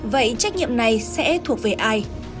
vậy trách nhiệm này sẽ thuộc về ai